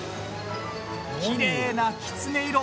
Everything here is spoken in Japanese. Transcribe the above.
きれいなきつね色！